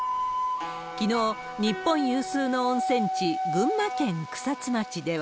きのう、日本有数の温泉地、群馬県草津町では。